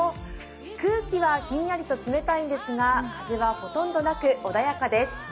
空気はひんやりと冷たいんですが風はほとんどなく穏やかです。